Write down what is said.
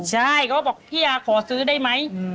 ใช่เขาก็บอกพี่อาขอซื้อได้ไหม